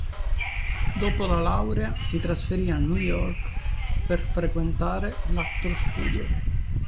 Dopo la laurea si trasferì a New York per frequentare l'Actors Studio.